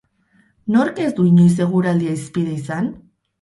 Nork ez du inoiz eguraldia hizpide izan?